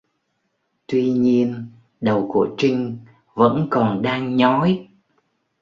Tuy nhiên đầu của trinh vẫn còn đang nhói